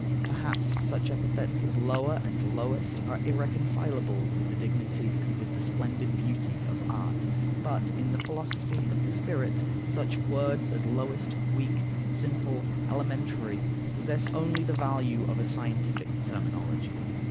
Perhaps such epithets as "lower" and "lowest" are irreconcilable with the dignity and with the splendid beauty of art? But in the philosophy of the spirit, such words as lowest, weak, simple, elementary, possess only the value of a scientific terminology.